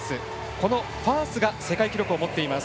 このファースが世界記録を持っています。